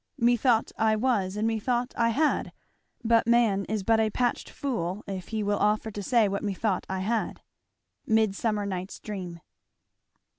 Methought I was, and methought I had, But man is but a patched fool, if he will offer to say what methought I had. Midsummer Night's Dream.